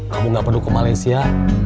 kamu gak perlu ke malaysia